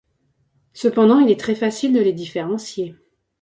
Cependant, il est très facile de les différencier.